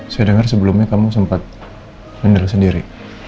saya dengar sebelumnya kamu sempat ngender sendiri